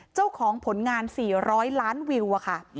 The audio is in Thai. เจ้าของผลงาน๔๐๐ล้านวิวค่ะ